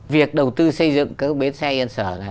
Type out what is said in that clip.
việc đầu tư xây dựng các bến xe yên sở này